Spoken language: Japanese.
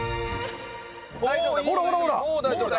ほらほらほら。